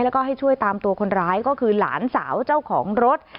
แล้วก็ให้ช่วยตามตัวคนร้ายก็คือหลานสาวเจ้าของรถ